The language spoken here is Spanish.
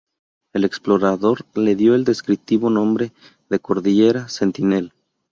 El explorador le dio el descriptivo nombre de cordillera Sentinel.